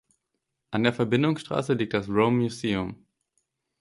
An der Verbindungsstraße liegt das "Rome Museum".